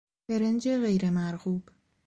برنج غیرمرغوب